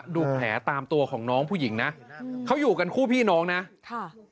ดูแผลตามตัวของน้องผู้หญิงนะเขาอยู่กันคู่พี่น้องนะค่ะ